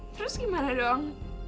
terus gimana dong